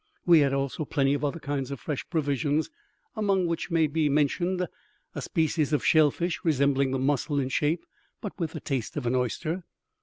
We had also plenty of other kinds of fresh provisions, among which may be mentioned a species of shellfish resembling the mussel in shape, but with the taste of an oyster.